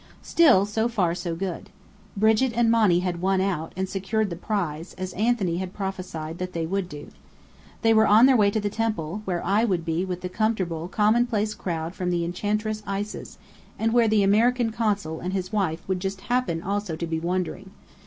Still, so far so good. Brigit and Monny had "won out," and secured the prize, as Anthony had prophesied that they would do. They were on their way to the temple, where I would be with the comfortable, commonplace crowd from the Enchantress Isis, and where the American Consul and his wife would just "happen" also to be wandering.